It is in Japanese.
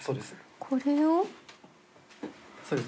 そうです